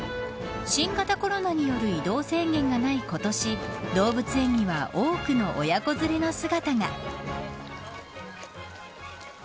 新型コロナによる移動制限がない今年動物園には多くの親子連れの姿が。